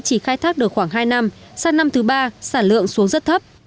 chỉ khai thác được khoảng hai năm sang năm thứ ba sản lượng xuống rất thấp